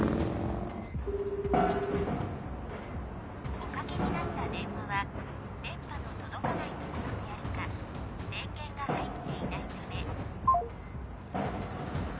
おかけになった電話は電波の届かない所にあるか電源が入っていないため。